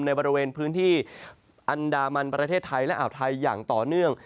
ในบริเวณพื้นที่อันดามันประเทศไทยและอ่าวไทยอย่างต่อเนื่อง